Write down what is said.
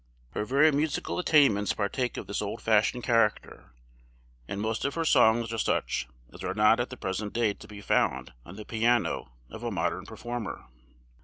Her very musical attainments partake of this old fashioned character, and most of her songs are such as are not at the present day to be found on the piano of a modern performer.